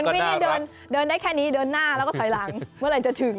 วิ่งนี่เดินได้แค่นี้เดินหน้าแล้วก็ถอยหลังเมื่อไหร่จะถึง